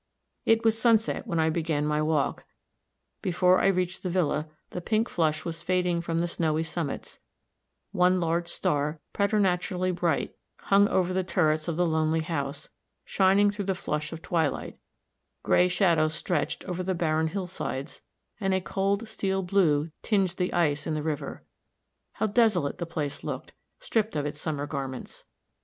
It was sunset when I began my walk; before I reached the villa, the pink flush was fading from the snowy summits; one large star, preternaturally bright, hung over the turrets of the lonely house, shining through the flush of twilight; gray shadows stretched over the barren hillsides, and a cold steel blue tinged the ice in the river. How desolate the place looked, stripped of its summer garments!